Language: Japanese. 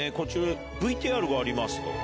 「ＶＴＲがあります」と。